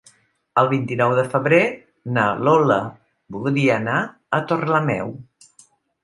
El vint-i-nou de febrer na Lola voldria anar a Torrelameu.